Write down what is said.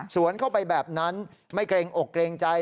เข้าไปแบบนั้นไม่เกรงอกเกรงใจ